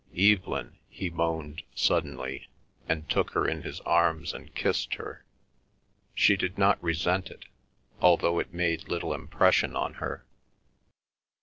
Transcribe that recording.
"Evelyn!" he moaned suddenly, and took her in his arms, and kissed her. She did not resent it, although it made little impression on her.